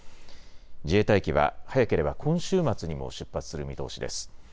自衛隊機は早ければ今週末にも出発する見通しです。